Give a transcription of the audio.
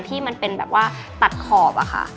ที่มันเป็นแบบว่าตัดขอบอะค่ะ